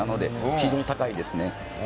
非常に高いですね。